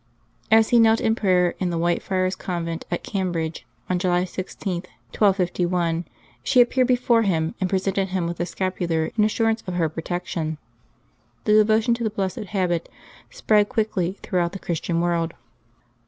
As he knelt in prayer in the White Friars' convent at Cambridge, on July 16, 1251, she appeared before him and presented him with the scapular, in assurance of her protection. The devo tion to the blessed habit spread quickly throughout the Christian world.